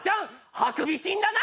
ハクビシンだな！